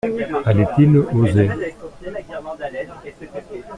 Allait-il oser?